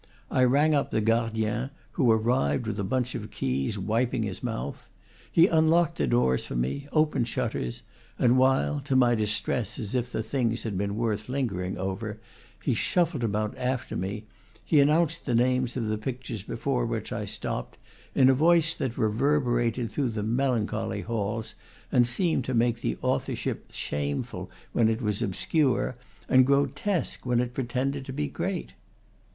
I rang up the gardien, who ar rived with a bunch of keys, wiping his mouth; he un locked doors for me, opened shutters, and while (to my distress, as if the things had been worth lingering over) he shuffled about after me, he announced the names of the pictures before which I stopped, in a voice that reverberated through the melancholy halls, and seemed to make the authorship shameful when it was obscure, and grotesque when it pretended to be great.